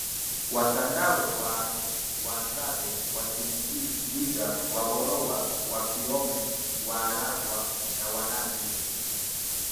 Wasandawe Wahadzabe Watindiga Wagorowa Wafiome Waalagwa na Warangi